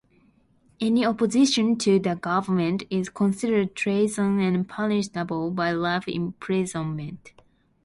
Any opposition to the government is considered treason and punishable by life imprisonment.